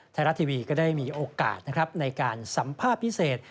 ไทยรัตน์ทีวีก็ได้มีโอกาสในการสัมภาพพิเศษ